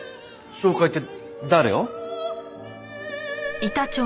紹介って誰を？